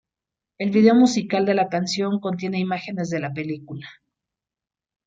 El video musical de la canción contiene imágenes de la película.